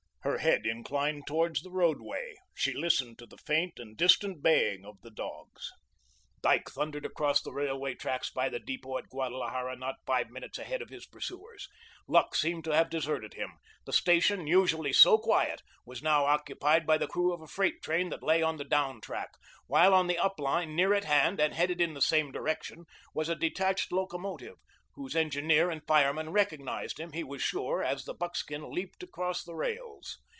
Her head inclined towards the roadway, she listened to the faint and distant baying of the dogs. Dyke thundered across the railway tracks by the depot at Guadalajara not five minutes ahead of his pursuers. Luck seemed to have deserted him. The station, usually so quiet, was now occupied by the crew of a freight train that lay on the down track; while on the up line, near at hand and headed in the same direction, was a detached locomotive, whose engineer and fireman recognized him, he was sure, as the buckskin leaped across the rails.